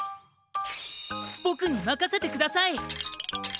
ぼくにまかせてください！